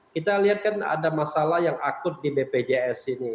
kita lihat kan ada masalah yang akut di bpjs ini